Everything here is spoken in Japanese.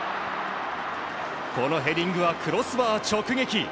このヘディングはクロスバー直撃。